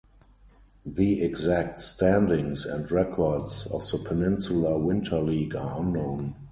The exact standings and records of the Peninsula Winter League are unknown.